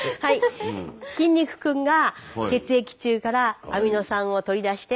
筋肉君が血液中からアミノ酸を取り出して。